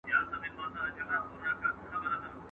¬ په ځنگله کې وزېږوه، په بازارکې لوى که.